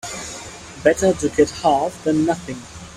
Better to get half than nothing.